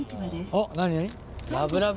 おっ何何？